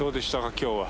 今日は。